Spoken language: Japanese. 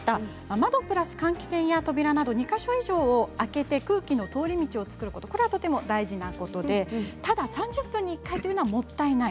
窓プラス換気扇や扉など２か所以上開けて空気の通り道を作ることはとても大事なことでただ３０分に１回はもったいない。